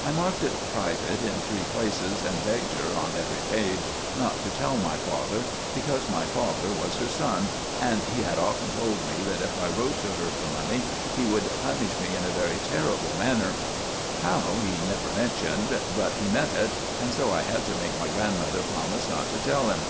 I marked it "Private" in three places, and begged her, on every page, not to tell my father; because my father was her son, and he had often told me that if I wrote to her for money he would punish me in a very terrible manner, How, he never mentioned, but he meant it, and so I had to make my grandmother promise not to tell him.